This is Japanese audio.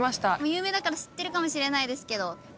有名だから知ってるかもしれないですけど。